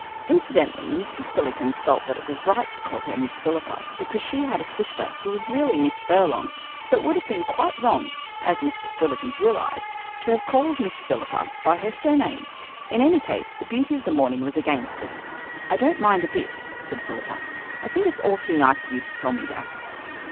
Incidentally Mr. Spillikins felt that it was all right to call her Miss Philippa, because she had a sister who was really Miss Furlong, so it would have been quite wrong, as Mr. Spillikins realized, to have called Miss Philippa by her surname. In any case, the beauty of the morning was against it. "I don't mind a bit," said Philippa. "I think it's awfully nice of you to tell me about it."